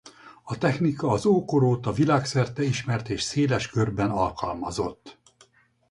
A technika az ókor óta világszerte ismert és széles körben alkalmazott.